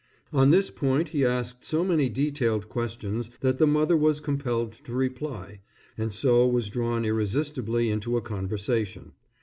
On this point he asked so many detailed questions that the mother was compelled to reply, and so was drawn irresistibly into a conversation.